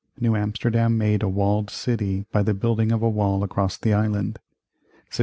New Amsterdam made a walled city by the building of a wall across the island 1655.